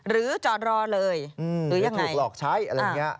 หรือจอดรอเลยหรือยังถูกหลอกใช้อะไรอย่างนี้